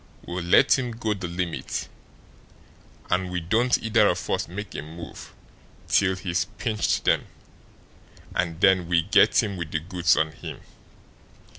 We'll let him go the limit, and we don't either of us make a move till he's pinched them, and then we get him with the goods on him.